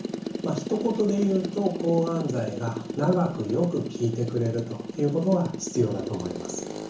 ひと言で言うと抗がん剤が長くよく効いてくれるということが必要だと思います。